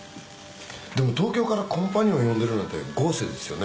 でも東京からコンパニオンを呼んでるなんて豪勢ですよね。